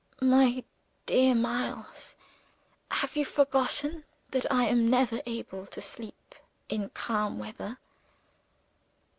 "My dear Miles, have you forgotten that I am never able to sleep in calm weather?